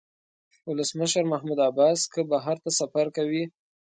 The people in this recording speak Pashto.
ولسمشر محمود عباس که بهر ته سفر کوي.